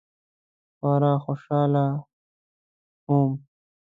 خورا خوشحاله وم.